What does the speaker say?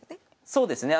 そうですね。